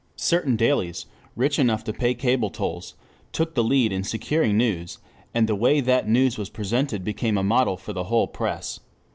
Certain dailies, rich enough to pay cable tolls, took the lead in securing news, and the way that news was presented became a model for the whole press.